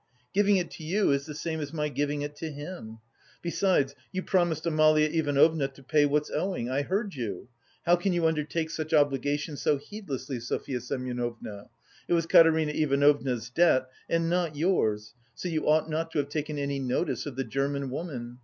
Giving it to you is the same as my giving it to him. Besides, you promised Amalia Ivanovna to pay what's owing. I heard you. How can you undertake such obligations so heedlessly, Sofya Semyonovna? It was Katerina Ivanovna's debt and not yours, so you ought not to have taken any notice of the German woman.